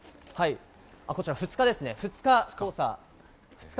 こちら２日ですね、２日。